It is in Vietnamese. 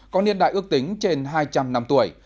có niên đại ước tính trên hai trăm linh năm tuổi